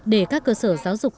để các cơ sở giáo dục